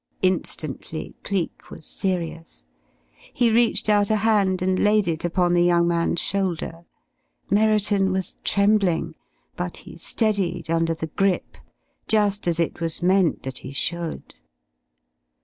Instantly Cleek was serious. He reached out a hand and laid it upon the young man's shoulder. Merriton was trembling, but he steadied under the grip, just as it was meant that he should.